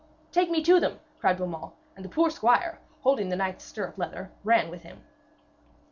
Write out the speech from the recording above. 'Take me to them!' cried Beaumains, and the poor squire, holding the knight's stirrup leather, ran with him.